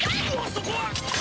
そこは！